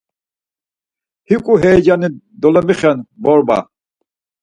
Hiǩu heyecani dolomixen borba.